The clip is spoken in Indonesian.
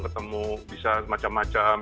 ketemu bisa macam macam